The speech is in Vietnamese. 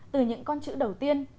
từ những con chữ đầu tiên